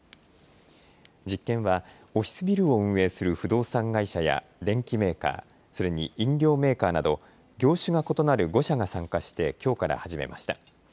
実験はオフィスビルを運営する不動産会社や電機メーカー、それに飲料メーカーなど業種が異なる５社が参加してきょうから始めました。